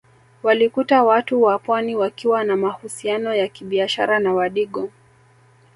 Walikuta Watu wa Pwani wakiwa na mahusiano ya kibiashara na Wadigo